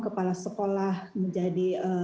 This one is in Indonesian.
kepala sekolah menjadi